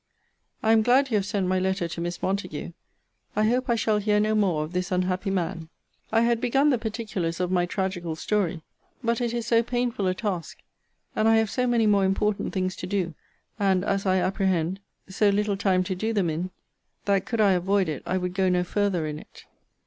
I am glad you have sent my letter to Miss Montague. I hope I shall hear no more of this unhappy man. I had begun the particulars of my tragical story: but it is so painful a task, and I have so many more important things to do, and, as I apprehend, so little time to do them in, that, could I avoid it, I would go no farther in it.